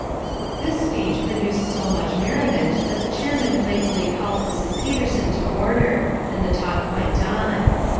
This speech produced so much merriment that the chairman playfully called Mrs. Peterson to order, and the talk went on.